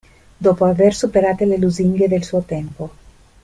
Dopo aver superate le lusinghe del suo tempo.